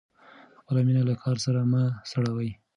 خپله مینه له کار سره مه سړوه.